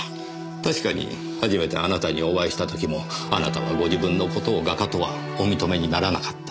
確かに初めてあなたにお会いしたときもあなたはご自分のことを画家とはお認めにならなかった。